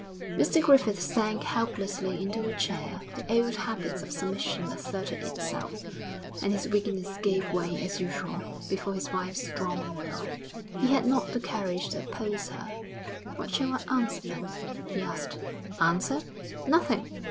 Mr Griffith sank helplessly into a chair, the old habit of submission asserted itself, and his weakness gave way as usual before his wife's strong will. He had not the courage to oppose her. 'What shall I answer, then?' he asked. 'Answer? Nothing.'